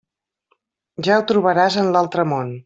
Ja ho trobaràs en l'altre món.